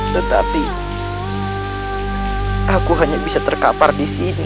tetapi aku hanya bisa terkapar di sini